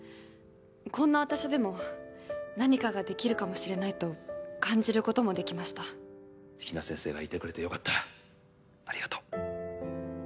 こんな私でも何かができるかもしれないと感じることもできました比奈先生がいてくれてよかったありがとう